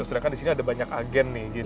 sedangkan di sini ada banyak agen nih